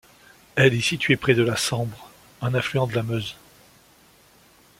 Elle est située près de la Sambre, un affluent de la Meuse.